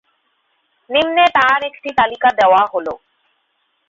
নিম্নে তার একটি তালিকা দেওয়া হলো।